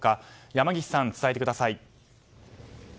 山岸さん、伝えてください。